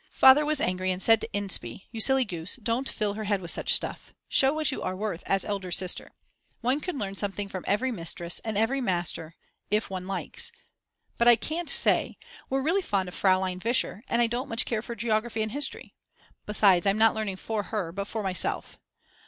Father was angry and said to Inspee: You silly goose, don't fill her head with such stuff. Show what you are worth as elder sister. One can learn something from every mistress and every master if one likes. But I can't say, we're really fond of Fraulein Vischer and I don't much care for geography and history. Besides I'm not learning for her but for myself.